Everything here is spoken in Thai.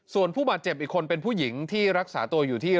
ส่วนผู้บาดเจ็บอีกคนเป็นผู้หญิงที่รักษาตัวอยู่ที่